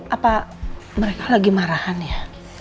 apa mereka lagi marahan ya